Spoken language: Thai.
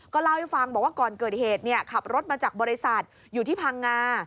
เล่าให้ฟังบอกว่าก่อนเกิดเหตุขับรถมาจากบริษัทอยู่ที่พังงา